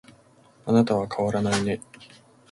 あなたは変わらないね